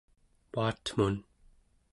uatmun